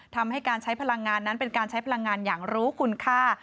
ทำให้การใช้พลังงานนั้นเป็นการใช้พลังงานอย่างรู้คุณค่า